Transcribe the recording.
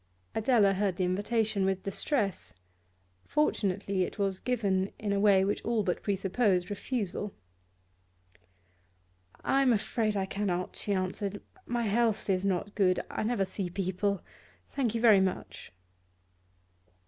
Adela heard the invitation with distress. Fortunately it was given in a way which all but presupposed refusal. 'I am afraid I cannot,' she answered. 'My health is not good; I never see people. Thank you very much.